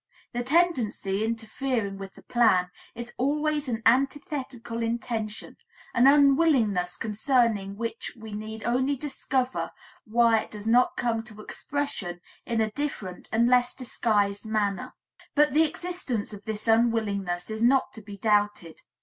The tendency interfering with the plan is always an antithetical intention, an unwillingness concerning which we need only discover why it does not come to expression in a different and less disguised manner. But the existence of this unwillingness is not to be doubted.